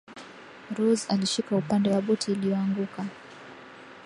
rose alishika upande wa boti iliyoanguka